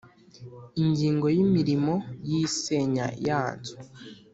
Ingingo yimirimo yisenya ya nzu